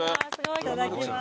いただきます。